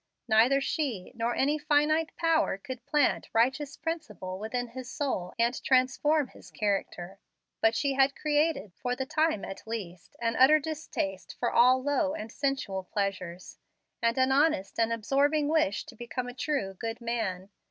Neither she, nor any finite power, could plant righteous principle within his soul and transform his character; but she had created, for the time at least, an utter distaste for all low and sensual pleasures, and an honest and absorbing wish to become a true, good man.